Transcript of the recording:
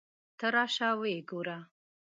ته راشه ویې ګوره.